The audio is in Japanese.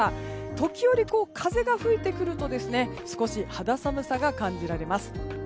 時折、風が吹いてくると少し肌寒さが感じられます。